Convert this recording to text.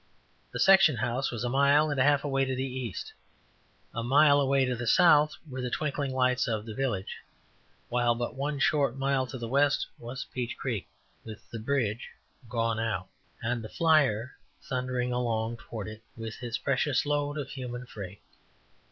The section house was a mile and a half away to the east. A mile away, to the south were the twinkling lights of the village, while but one short mile to the west was Peach Creek, with the bridge gone out, and the flyer thundering along towards it with its precious load of human freight.